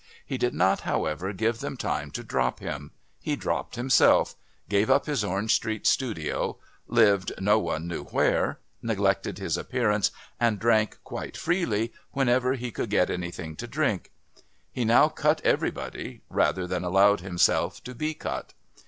He did not, however, give them time to drop him; he dropped himself, gave up his Orange Street studio, lived, no one knew where, neglected his appearance, and drank quite freely whenever he could get anything to drink. He now cut everybody, rather than allowed himself to be cut.